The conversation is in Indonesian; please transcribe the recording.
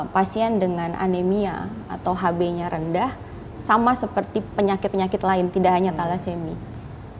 pasien dengan anemia atau hb nya rendah sama seperti penyakit penyakit lain tidak hanya thalassemia